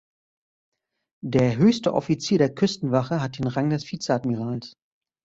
Der höchste Offizier der Küstenwache hat den Rang des Vizeadmirals.